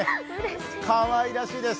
かわいらしいです。